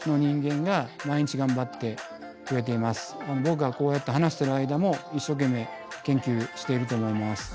僕がこうやって話してる間も一生懸命研究していると思います。